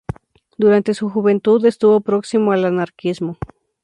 Durante su juventud estuvo próximo al anarquismo.